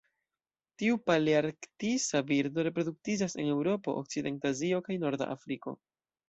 Tiu palearktisa birdo reproduktiĝas en Eŭropo, okcidenta Azio kaj norda Afriko.